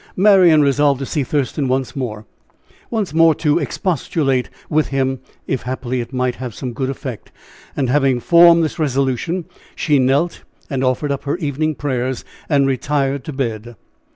Marian resolved to see Thurston once more once more to expostulate with him, if happily it might have some good effect. And having formed this resolution, she knelt and offered up her evening prayers, and retired to bed.